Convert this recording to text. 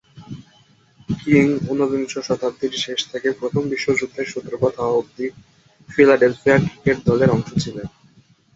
King উনবিংশ শতাব্দীর শেষ থেকে প্রথম বিশ্বযুদ্ধের সূত্রপাত হওয়া অবধি ফিলাডেলফিয়া ক্রিকেট দলের অংশ ছিলেন।